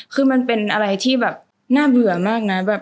คือมันเป็นอะไรที่แบบน่าเบื่อมากนะแบบ